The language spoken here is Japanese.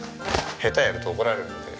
下手やると怒られるので。